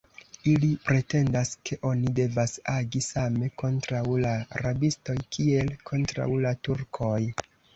Ili pretendas, ke oni devas agi same kontraŭ la rabistoj, kiel kontraŭ la Turkoj.